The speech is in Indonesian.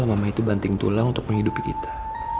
mama itu banting tulang untuk menghidupi kita